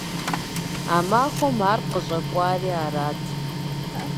А махуэм ар къыщӀэкӀуари арат.